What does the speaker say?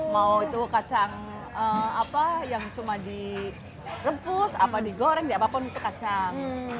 mau itu kacang apa yang cuma direbus apa digoreng di apapun itu kacang